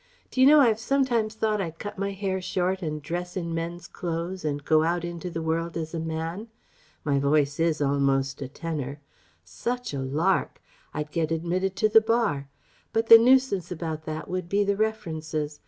"D'you know, I've sometimes thought I'd cut my hair short and dress in men's clothes, and go out into the world as a man ... my voice is almost a tenor Such a lark! I'd get admitted to the Bar. But the nuisance about that would be the references.